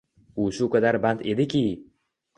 U shu qadar band ediki